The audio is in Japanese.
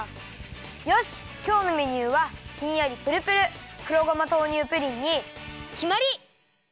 よしきょうのメニューはひんやりプルプル黒ごま豆乳プリンにきまり！